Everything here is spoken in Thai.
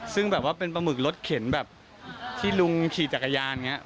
ซึ่งเป็นปลาหมึกรถเข็นที่ลุงขี่จักรยาน